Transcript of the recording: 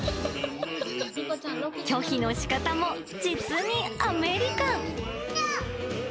拒否のしかたも実にアメリカン。